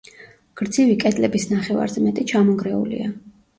გრძივი კედლების ნახევარზე მეტი ჩამონგრეულია.